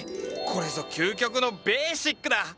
これぞ究極のベーシックだ。